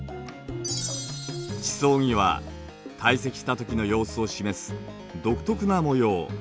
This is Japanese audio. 地層には堆積した時の様子を示す独特な模様